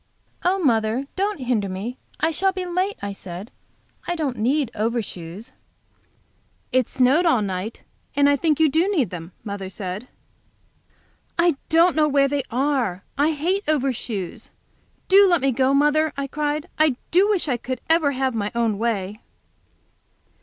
"Oh, mother, don't hinder me! I shall be late," I said. "I don't need overshoes." "It snowed all night, and I think you do need them," mother said. "I don't know where they are. I hate overshoes. Do let me go, mother," I cried. "I do wish I could ever have my own way."